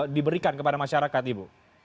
diberikan kepada masyarakat ibu